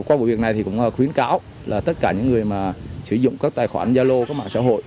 qua vụ việc này thì cũng khuyến cáo là tất cả những người mà sử dụng các tài khoản gia lô các mạng xã hội